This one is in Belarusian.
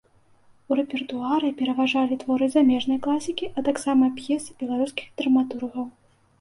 У рэпертуары пераважалі творы замежнай класікі, а таксама п'есы беларускіх драматургаў.